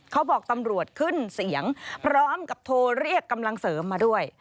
เขาบอกตำรวจขึ้นเสียงพร้อมกับโทรเรียกกำลังเสริมมาด้วย